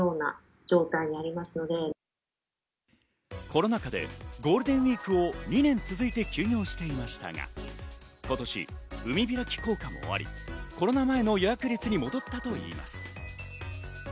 コロナ禍でゴールデンウイークを２年続いて休業していましたが、今年、海開き効果もあり、コロナ前の予約率に戻ったといいます。